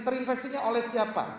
terinfeksinya oleh siapa